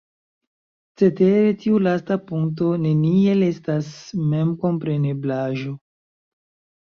Cetere, tiu lasta punkto neniel estas memkompreneblaĵo.